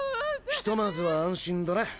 ひとまずは安心だな。